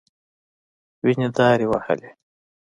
وينې دارې وهلې.